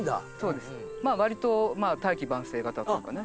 割とまあ大器晩成型というかね。